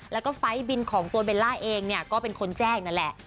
แล้วก็ไฟล์บินของตัวเบลล่าเองเนี่ยก็เป็นคนแจ้งนั่นแหละ